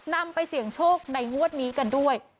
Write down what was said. นำไปเสี่ยงโชคในงวดนี้กันด้วย